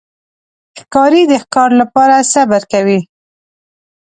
ښکاري د ښکار لپاره صبر کوي.